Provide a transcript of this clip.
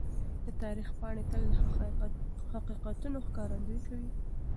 د تاریخ پاڼې تل د حقیقتونو ښکارندويي کوي.